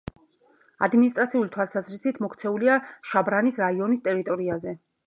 ადმინისტრაციული თვალსაზრისით მოქცეულია შაბრანის რაიონის ტერიტორიაზე.